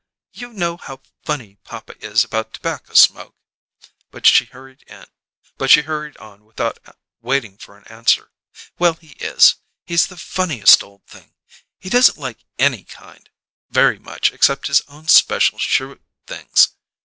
"You know how funny papa is about tobacco smoke?" (But she hurried on without waiting for an answer.) "Well, he is. He's the funniest old thing; he doesn't like any kind very much except his own special cheroot things.